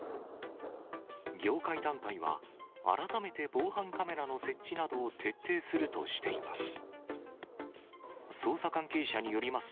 業界団体は改めて防犯カメラの設置などを徹底するとしています。